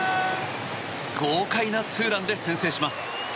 豪快なツーランで先制します。